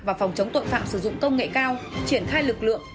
và phòng chống tội phạm sử dụng công nghệ cao triển khai lực lượng